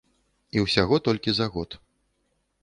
І ўсяго толькі за год.